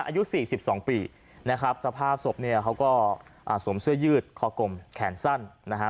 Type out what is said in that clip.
อายุสี่สิบสองปีนะครับสภาพศพเนี่ยเขาก็สวมเสื้อยืดคอกลมแขนสั้นนะฮะ